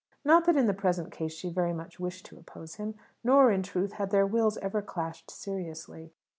Not that in the present case she very much wished to oppose him. Nor, in truth, had their wills ever clashed seriously.